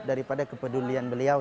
daripada kepedulian beliau